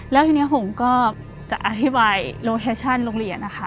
แล้วทีนี้ผมก็จะอธิบายโลเคชั่นโรงเรียนนะคะ